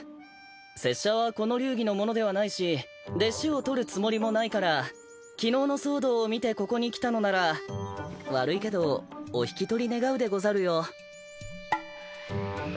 拙者はこの流儀の者ではないし弟子をとるつもりもないから昨日の騒動を見てここに来たのなら悪いけどお引き取り願うでござるよ